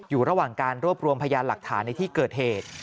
อยู่ระหว่างการรวบรวมพยานหลักฐานในที่เกิดเหตุ